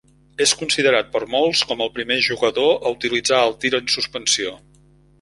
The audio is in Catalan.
És considerat per molts com el primer jugador a utilitzar el tir en suspensió.